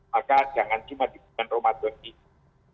maka jangan cuma di bulan ramadan ini